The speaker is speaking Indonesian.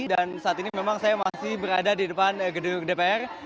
dan saat ini memang saya masih berada di depan gedung dpr